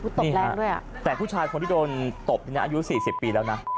ตบแรงด้วยแต่ผู้ชายคนที่โดนตบอายุ๔๐ปีแล้วนะ